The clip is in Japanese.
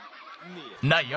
ないよ。